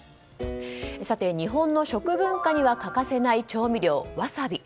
日本の食文化には欠かせない調味料ワサビ。